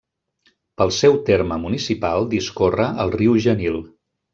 Pel seu terme municipal discorre el riu Genil.